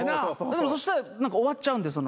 でもそしたら終わっちゃうんで。